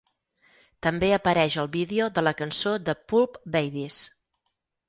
També apareix al vídeo de la cançó de Pulp "Babies".